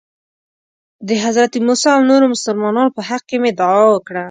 د حضرت موسی او نورو مسلمانانو په حق کې مې دعا وکړه.